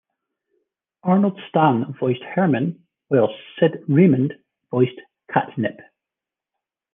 Arnold Stang voiced Herman while Sid Raymond voiced Katnip.